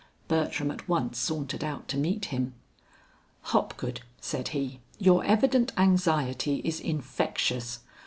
Bertram at once sauntered out to meet him. "Hopgood," said he, "your evident anxiety is infectious.